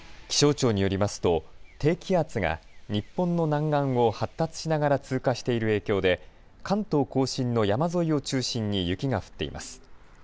気象庁によりますと、低気圧が日本の南岸を発達しながら通過している影響で関東甲信の山沿いを中心に雪が降っています。